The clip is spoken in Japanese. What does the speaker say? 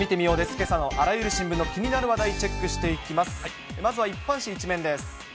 けさのあらゆる新聞の気になる話題、チェックしていきます。